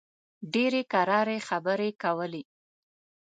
ډېرې کراري خبرې کولې.